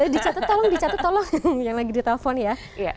dicatat tolong dicatat tolong yang lagi di telepon ya